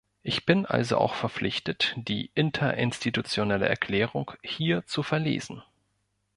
Ich bin also auch verpflichtet, die interinstitutionelle Erklärung hier zu verlesen.